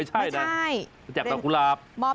ไม่ใช่นะจะแจกดอกกุหลาบ